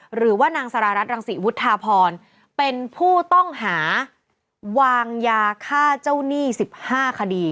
หรือว่านางสารรัฐรังศรีวุฒาพรเป็นผู้ต้องหาวางยาฆ่าเจ้าหนี้๑๕คดี